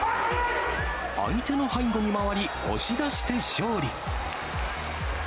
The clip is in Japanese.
相手の背後に回り、押し出して勝利。